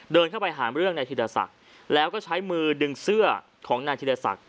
เดินเข้าไปหาเรื่องนายธีรศักดิ์แล้วก็ใช้มือดึงเสื้อของนายธีรศักดิ